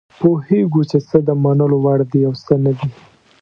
پوهیږو چې څه د منلو وړ دي او څه نه دي.